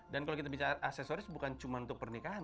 dan kalau kita bicara aksesoris bukan cuma untuk pernikahan